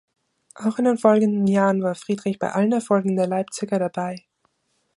Auch in den folgenden Jahren war Friedrich bei allen Erfolgen der Leipziger dabei.